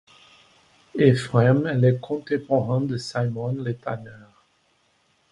Éphrem est le contemporain de Simon le Tanneur.